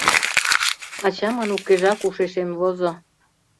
Ачамын укежак ушешем возо.